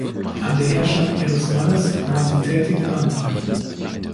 An der Herrschaft ihres Mannes nahm sie tätigen Anteil.